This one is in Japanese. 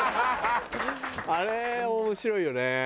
あれ面白いよね。